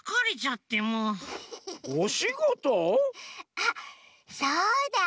あっそうだ！